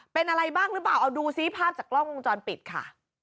เป็นอะไรบ้างหรือเปล่าเอาดูซิภาพจากกล้องวงจรปิดค่ะ